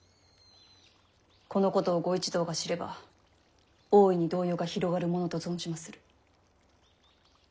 このことを御一同が知れば大いに動揺が広がるものと存じまする。